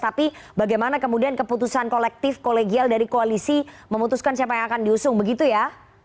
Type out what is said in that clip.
tapi bagaimana kemudian keputusan kolektif kolegial dari koalisi memutuskan siapa yang akan diusung begitu ya